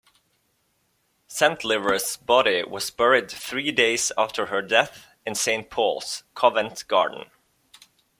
Centlivre's body was buried three days after her death in Saint Paul's, Covent Garden.